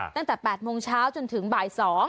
ตั้งแต่๘โมงเช้าจนถึงบ่าย๒